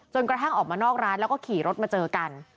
กระทั่งออกมานอกร้านแล้วก็ขี่รถมาเจอกัน